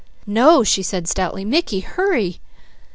"No!" she said stoutly. "Mickey, hurry!"